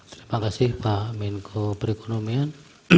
terima kasih pak amin koperkonomian